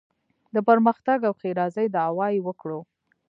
د پرمختګ او ښېرازۍ دعوا یې وکړو.